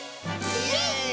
イエーイ！